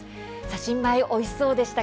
新米、おいしそうでした。